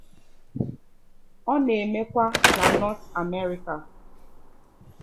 It also occurs in North America.